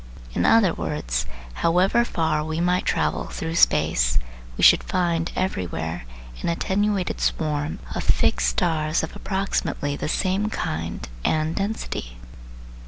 In other words: However far we might travel through space, we should find everywhere an attenuated swarm of fixed stars of approrimately the same kind and density.